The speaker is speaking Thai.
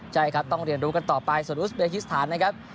ใช่ครับต้องเรียนรู้กันต่อไปส่วนอุสเบคิสถานนะครับ